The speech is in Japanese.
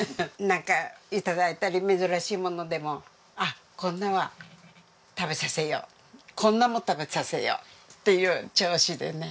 なんか頂いたり珍しいものでも「あっこんなの食べさせよう」「こんなのも食べさせよう」っていう調子でね。